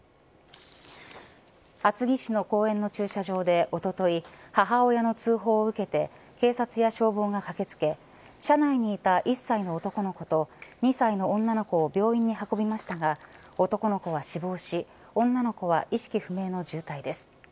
厚木市の公園の駐車場でおととい母親の通報を受けて警察や消防が駆けつけ車内にいた１歳の男の子と２歳の女の子を病院に運びましたが男の子は死亡し女の子は意識不明の重体です。